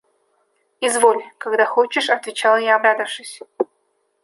– Изволь; когда хочешь! – отвечал я, обрадовавшись.